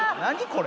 これ。